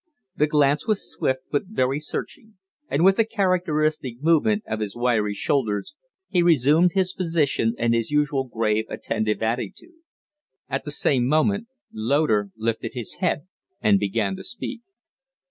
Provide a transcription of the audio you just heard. The glance was swift but very searching, and with a characteristic movement of his wiry shoulders he resumed his position and his usual grave, attentive attitude. At the same moment Loder lifted his head and began to speak.